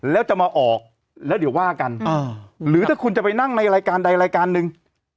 แล้วจะมาออกแล้วเดี๋ยวว่ากันหรือถ้าคุณจะไปนั่งในรายการใดรายการหนึ่ง